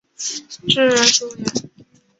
至元十五年。